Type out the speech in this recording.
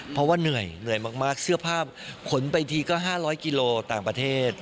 เพราะว่าเหนื่อยเหนื่อยมากเสื้อผ้าขนไปทีก็๕๐๐กิโลต่างประเทศ